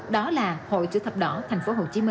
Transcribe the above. đó là hội chủ thập đỏ tp hcm